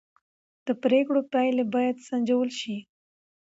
د پرېکړو پایلې باید سنجول شي